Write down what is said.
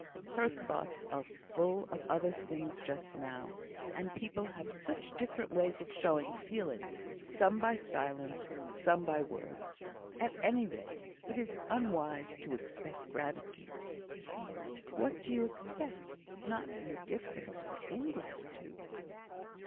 "Her thoughts are full of other things just now; and people have such different ways of showing feeling: some by silence, some by words. At any rate, it is unwise to expect gratitude." "What do you expect not indifference or ingratitude?"